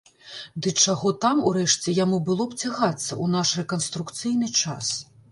Ды чаго там, урэшце, яму было б цягацца ў наш рэканструкцыйны час?